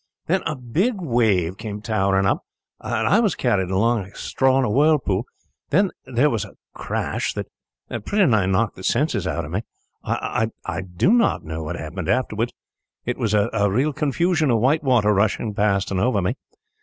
Then a big wave came towering up. I was carried along like a straw in a whirlpool. Then there was a crash that pretty nigh knocked the senses out of me. I do not know what happened afterwards. It was a confusion of white water rushing past and over me.